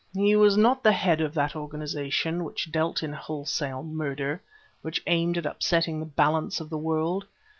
He was not the head of that organization which dealt in wholesale murder, which aimed at upsetting the balance of the world.